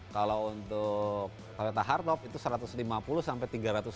kalau untuk toyota hartop itu satu ratus lima puluh sampai tiga ratus lima puluh